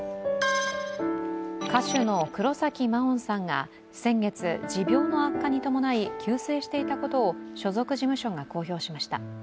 歌手の黒崎真音さんが先月、持病の悪化に伴い急逝していたことを所属事務所が公表しました。